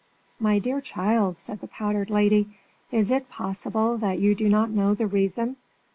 "My dear child," said the powdered lady, "is it possible that you do not know the reason?